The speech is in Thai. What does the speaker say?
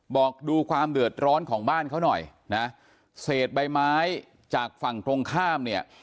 บอกดูความเดือดร้อนของบ้านเขาหน่อยนะเศษใบไม้จากฝั่งตรงข้ามเนี่ย